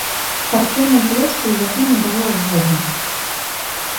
Спартыўнай злосці ў яго не было ўвогуле.